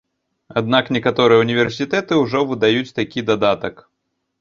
Аднак некаторыя ўніверсітэты ўжо выдаюць такі дадатак.